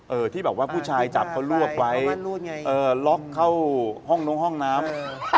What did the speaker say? ที่แบบว่าผู้ชายจับเขารวบไว้เอ่อล็อกเข้าห้องนู้นห้องน้ำ